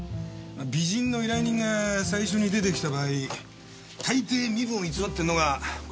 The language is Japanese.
美人の依頼人が最初に出てきた場合大抵身分を偽ってるのがパターンですからね。